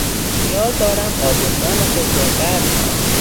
خیال دارم آبونمان خود را قطع کنم.